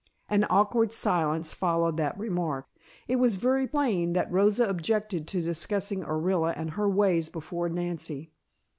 An awkward silence followed that remark. It was very plain that Rosa objected to discussing Orilla and her ways before Nancy.